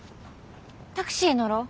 タクシー乗ろう。